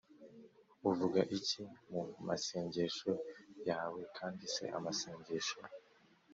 Uvuga iki mu masengesho yawe kandi se amasengesho